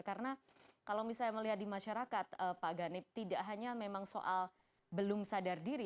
karena kalau misalnya melihat di masyarakat pak ganip tidak hanya memang soal belum sadar diri